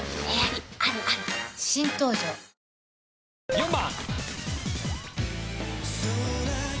４番。